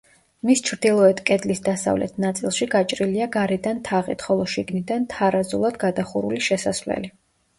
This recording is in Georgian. მის ჩრდილოეთ კედლის დასავლეთ ნაწილში გაჭრილია გარედან თაღით, ხოლო შიგნიდან თარაზულად გადახურული შესასვლელი.